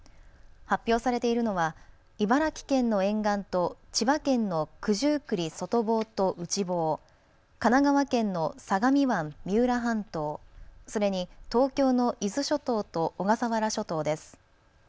発表されているのは茨城県の沿岸と千葉県の九十九里・外房と内房、神奈川県の相模湾・三浦半島、それに東京の伊豆諸島と小笠原諸島です。